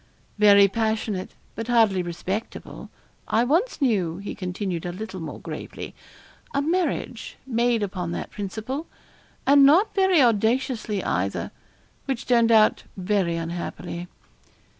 'Very passionate, but hardly respectable. I once knew,' he continued a little more gravely, 'a marriage made upon that principle, and not very audaciously either, which turned out very unhappily.'